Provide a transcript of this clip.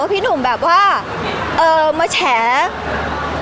พี่ตอบได้แค่นี้จริงค่ะ